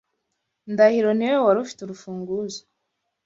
Ndahiro niwe wari ufite urufunguzo.